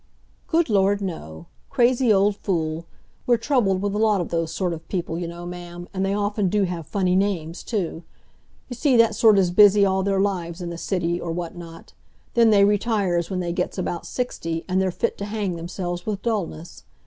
"Good Lord, no! Crazy old fool! We're troubled with a lot of those sort of people, you know, ma'am, and they often do have funny names, too. You see, that sort is busy all their lives in the City, or what not; then they retires when they gets about sixty, and they're fit to hang themselves with dulness.